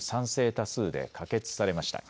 多数で可決されました。